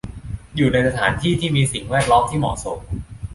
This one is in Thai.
อยู่ในสถานที่ที่มีสิ่งแวดล้อมที่เหมาะสม